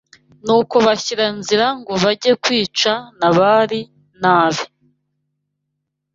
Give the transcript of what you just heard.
Nuko bashyira nzira ngo bajye kwica Nabali n’abe